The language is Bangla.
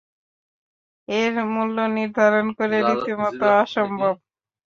এর মূল্য নির্ধারণ করা রীতিমতো অসম্ভব।